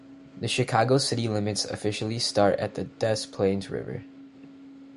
The Chicago city limits officially start at the Des Plaines River.